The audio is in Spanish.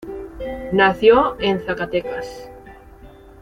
Nació en Zacatecas.